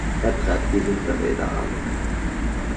Er treibt die Hinterräder an.